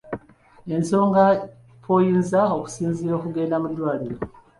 Ensonga kw’oyinza okusinziira okugenda mu ddwaliro.